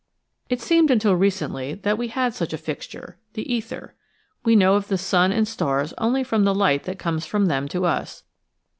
It seemed until recently that we had such a fixture, the ether. We know of the sun and stars only from the light that comes from them to us.